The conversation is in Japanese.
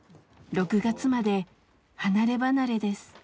６月まで離れ離れです。